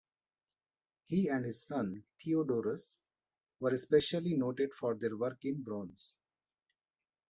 He and his son Theodorus were especially noted for their work in bronze.